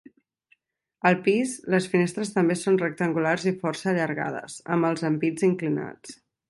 Al pis, les finestres també són rectangulars i força allargades, amb els ampits inclinats.